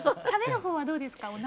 食べる方はどうですか？